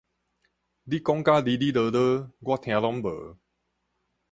你講甲哩哩囉囉，我聽攏無！